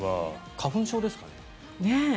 花粉症ですかね？